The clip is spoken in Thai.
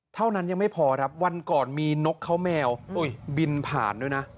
เท่านั้นยังไม่พอครับวันก่อนมีนกเขาแมวบินผ่านด้วยนะ